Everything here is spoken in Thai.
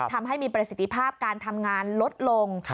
ทำให้มีประสิทธิภาพการทำงานลดลง